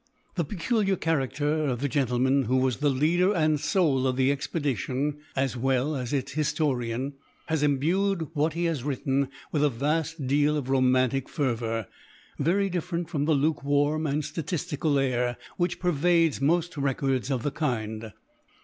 The peculiar character of the gentleman who was the leader and soul of the expedition, as well as its historian, has imbued what he has written with a vast deal of romantic fervor, very different from the luke warm and statistical air which pervades most records of the kind.